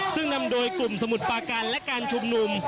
ซึ่งนำโดยกลุ่มสมุทรปาการและการชุมนุม